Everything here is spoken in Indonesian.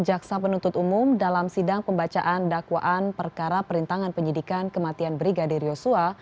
jaksa penuntut umum dalam sidang pembacaan dakwaan perkara perintangan penyidikan kematian brigadir yosua